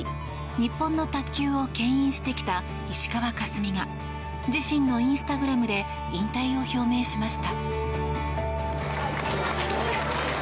日本の卓球を牽引してきた石川佳純が自身のインスタグラムで引退を表明しました。